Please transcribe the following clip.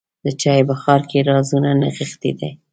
د چای بخار کې رازونه نغښتي دي.